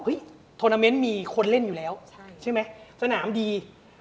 ทวนาเมนต์มีคนเล่นอยู่แล้วใช่ไหมสนามดี